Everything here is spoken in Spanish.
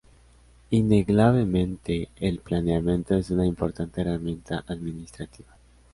Innegablemente, el planeamiento es una importante herramienta administrativa.